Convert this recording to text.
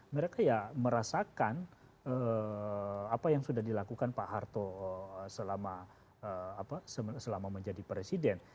mereka ya merasakan apa yang sudah dilakukan pak harto selama menjadi presiden